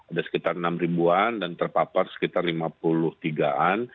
ada sekitar enam ribuan dan terpapar sekitar lima puluh tiga an